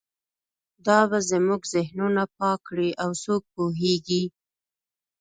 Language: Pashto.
دا به زموږ ذهنونه پاک کړي او څوک پوهیږي